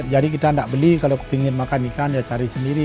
jadi kita tidak beli kalau ingin makan ikan cari sendiri